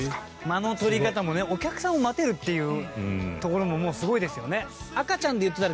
間の取り方もねお客さんを待てるっていうところももうすごいですよね。